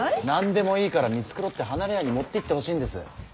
何でもいいから見繕って離れ屋に持っていってほしいんです。